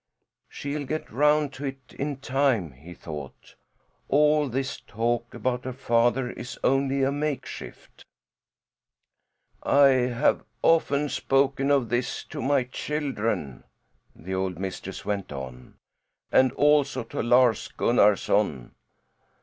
"She'll get round to that in time," he thought. "All this talk about her father is only a makeshift." "I have often spoken of this to my children," the old mistress went on, "and also to Lars Gunnarson.